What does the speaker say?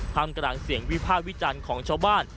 ทำกลางเสียงวิพากษ์วิจารณ์ของชาวบ้าน